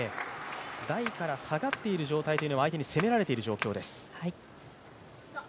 台から下がっている状態というのは、相手に攻められている状況です。